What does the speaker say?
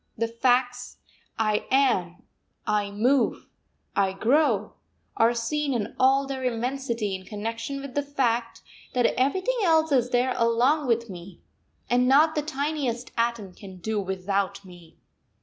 The facts: I am, I move, I grow, are seen in all their immensity in connection with the fact that everything else is there along with me, and not the tiniest atom can do without me.